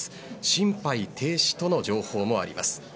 心肺停止との情報もあります。